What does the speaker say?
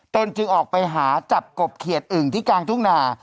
จึงออกไปหาจับกบเขียดอึ่งที่กลางทุ่งนา